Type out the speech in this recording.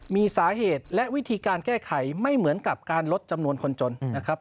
มีสาเหตุและวิธีการแก้ไขไม่เหมือนกับการลดจำนวนคนจนนะครับ